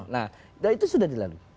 nah itu sudah di lalu